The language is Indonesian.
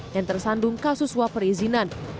yang tersandung kasus waprizinan